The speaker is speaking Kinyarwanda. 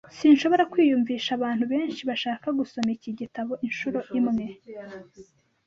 Sinshobora kwiyumvisha abantu benshi bashaka gusoma iki gitabo inshuro imwe.